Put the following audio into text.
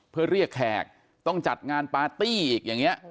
เพื่อเรียกแขกต้องจัดงานปาร์ตี้อีกอย่างนี้